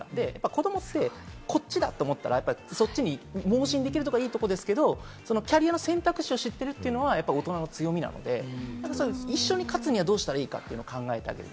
子どもってこっちだと思ったらそっちに猛進できるところがいいところですけれども、キャリアの選択肢を知ってるというのは大人の強みなので、一緒に勝つにはどうしたらいいかと考えてあげる。